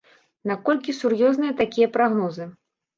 Наколькі сур'ёзныя такія прагнозы?